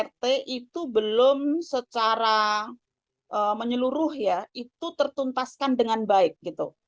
rt itu belum secara menyeluruh ya itu tertuntaskan dengan baik gitu